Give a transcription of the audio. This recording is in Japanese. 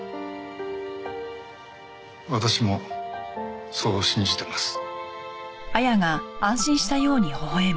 私もそう信じてます。